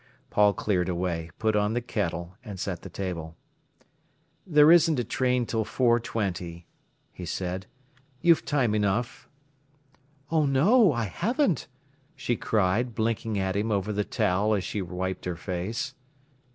Paul cleared away, put on the kettle, and set the table. "There isn't a train till four twenty," he said. "You've time enough." "Oh no, I haven't!" she cried, blinking at him over the towel as she wiped her face.